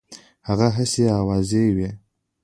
هغه هسي آوازې وي.